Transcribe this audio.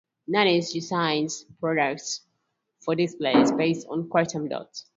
Nanosys designs products for displays based on quantum dots.